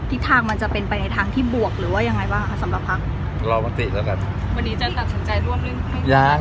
ทิคทางมันจะเป็นในทางที่บวกหรือว่ายังไงบ้างค่ะสำหรับพลักษณ์